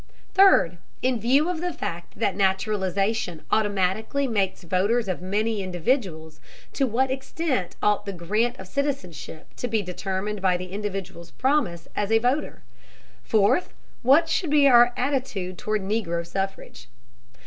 Third, in view of the fact that naturalization automatically makes voters of many individuals, to what extent ought the grant of citizenship to be determined by the individual's promise as a voter? Fourth, what should be our attitude toward Negro suffrage?